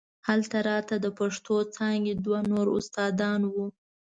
هلته راته د پښتو څانګې دوه نور استادان وو.